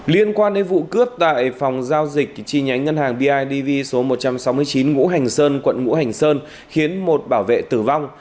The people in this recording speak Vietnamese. liên quan đến vụ cướp tại phòng giao dịch chi nhánh ngân hàng bidv số một trăm sáu mươi chín ngũ hành sơn quận ngũ hành sơn khiến một bảo vệ tử vong